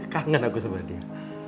kangen aku sama dia